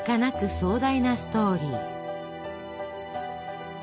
壮大なストーリー。